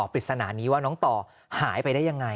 ปริศนานี้ว่าน้องต่อหายไปได้ยังไง